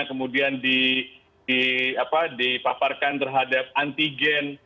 kemudian dipaparkan terhadap antigen